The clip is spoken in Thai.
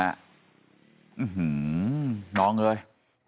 อื้อหือน้องเอ้ย